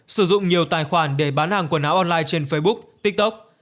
sử dụng nhiều tài khoản để bán hàng quần áo online trên facebook tiktok